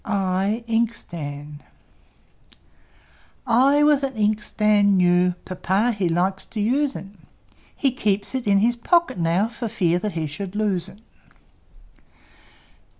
I I was an Inkstand new, Papa he likes to use it; He keeps it in his pocket now, For fear that he should lose it.